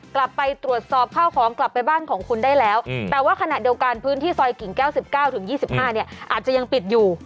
กลับไปตรวจสอบข้าวของกลับไปบ้านของคุณได้แล้วแต่ว่าขณะเดียวกันพื้นที่ซอยกิ่งแก้ว๑๙ถึง๒๕เนี่ยอาจจะยังปิดอยู่